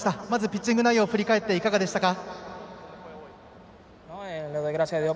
ピッチング内容を振り返っていかがでしたか。